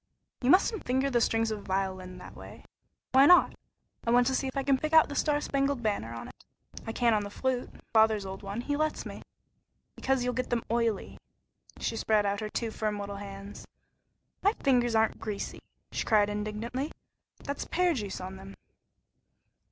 "You musn't finger the strings of a violin that way." "Why not? I want to see if I can pick out 'The Star Spangled Banner' on it. I can on the flute, father's old one; he lets me." "Because you'll get them oily." She spread out her two firm little hands. "My fingers aren't greasy!" she cried indignantly; "that's pear juice on them."